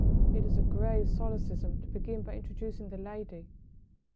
It is a grave solecism to begin by introducing the lady.